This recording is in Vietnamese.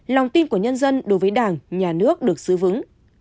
lòng tin của nhân dân đối với đảng nhà nước được giữ vững